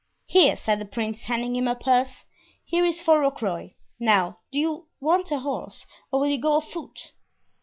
"Here," said the prince, handing him a purse, "here is for Rocroy. Now, do you want a horse, or will you go afoot?"